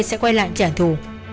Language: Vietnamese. sẽ quay lại trả thù